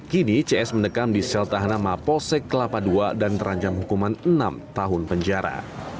kini cs mendekam di sel tahanan mapolsek kelapa ii dan terancam hukuman enam tahun penjara